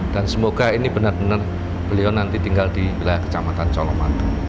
dan semoga ini benar benar beliau nanti tinggal di wilayah kecamatan colomadu